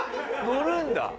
乗るんだ！